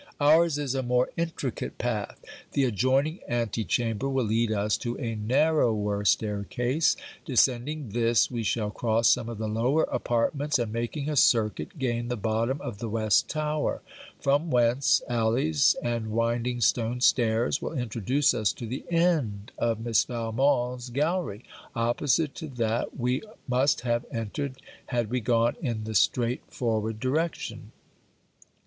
Our's is a more intricate path. The adjoining antichamber will lead us to a narrower stair case; descending this, we shall cross some of the lower apartments; and, making a circuit, gain the bottom of the West Tower; from whence, alleys and winding stone stairs will introduce us to the end of Miss Valmont's gallery, opposite to that we must have entered had we gone in the straight forward direction.